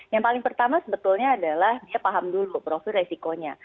yang paling pertama sebetulnya adalah dia paham dulu profil resikonya